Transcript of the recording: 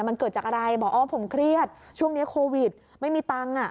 มันเกิดจากอะไรบอกอ๋อผมเครียดช่วงนี้โควิดไม่มีตังค์อ่ะ